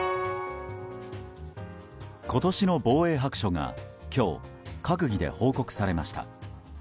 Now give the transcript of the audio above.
今年の防衛白書が今日、閣議で報告されました。